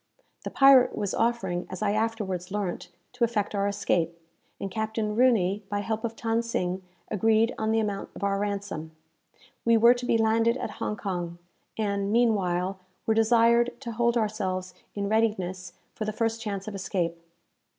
The pirate was offering, as I afterwards learnt, to effect our escape; and Captain Rooney, by help of Than Sing, agreed on the amount of our ransom. We were to be landed at Hong Kong, and, meanwhile, were desired to hold ourselves in readiness for the first chance of escape.